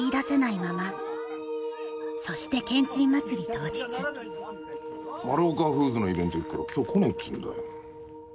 そしてマルオカフーズのイベント行くから今日来ねえっつうんだよ。